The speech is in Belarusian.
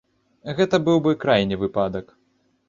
Гэта быў бы крайні выпадак.